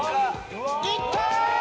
いった！